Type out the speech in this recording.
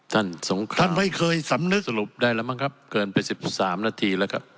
ท่านสงครามสรุปได้แล้วหรือเปล่าครับเกินไป๑๓นาทีแล้วครับ